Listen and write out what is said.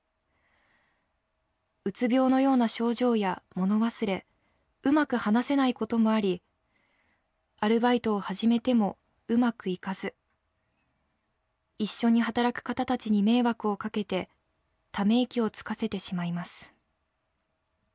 うつ病のような症状や物忘れうまく話せないこともありアルバイトを始めても上手くいかず一緒に働く方たちに迷惑をかけてため息をつかせてしまいます。